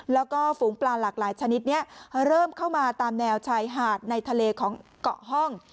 แล้วก็ฝูงปลาหลากหลายชนิดนี้เริ่มเข้ามาตามแนวชายหาดในทะเลของเกาะห้อง